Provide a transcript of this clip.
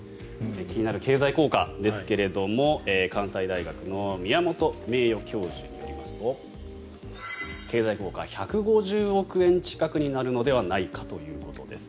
気になる経済効果ですが関西大学の宮本名誉教授によりますと経済効果は１５０億円近くになるのではないかということです。